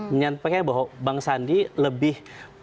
menyampaikan bahwa bang sandi lebih